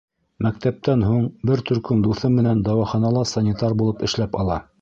Мәктәптән һуң бер төркөм дуҫы менән дауаханала санитар булып эшләп ала.